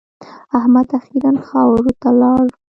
احمد اخير خاورو ته ولاړ.